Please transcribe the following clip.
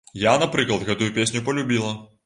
Я, напрыклад, гэтую песню палюбіла.